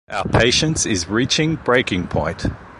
Our patience is reaching the breaking point.